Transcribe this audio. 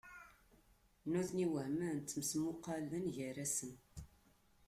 Nutni wehmen, ttmesmuqalen gar-asen.